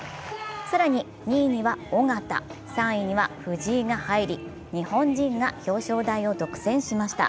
更に２位には緒方、３位には藤井が入り日本人が表彰台を独占しました。